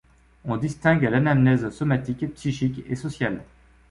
On distingue l'anamnèse somatique, psychique et sociale.